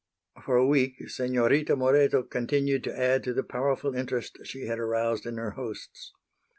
For a week Senorita Moreto continued to add to the powerful interest she had aroused in her hosts.